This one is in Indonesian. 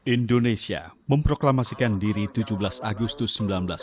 indonesia memproklamasikan diri tujuh belas agustus seribu sembilan ratus empat puluh